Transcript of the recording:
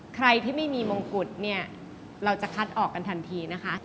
ใครที่ไม่มีมงกุฎเนี่ยเราจะคัดออกกันทันทีนะคะ